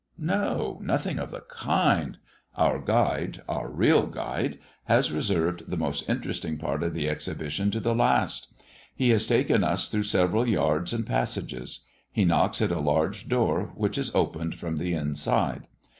No! nothing of the kind. Our guide a real guide has reserved the most interesting part of the exhibition to the last. He has taken us through several yards and passages. He knocks at a large door, which is opened from the inside.